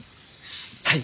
はい。